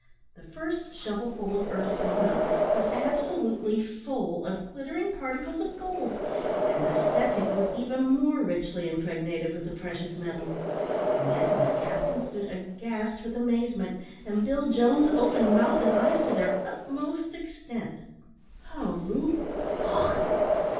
The first shovelful of earth thrown up was absolutely full of glittering particles of gold, and the second was even more richly impregnated with the precious metal. Ned and the captain stood aghast with amazement, and Bill Jones opened mouth and eyes to their utmost extent. "Hooroo! och!